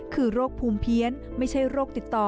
คือโรคภูมิเพี้ยนไม่ใช่โรคติดต่อ